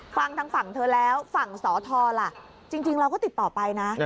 ฟังทางฝั่งเธอแล้วฝั่งสทล่ะจริงเราก็ติดต่อไปนะ